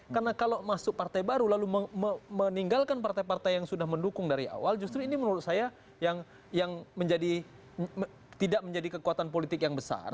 karena kalau masuk partai baru lalu meninggalkan partai partai yang sudah mendukung dari awal justru ini menurut saya yang tidak menjadi kekuatan politik yang besar